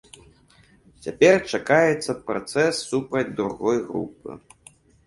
Цяпер чакаецца працэс супраць другой групы.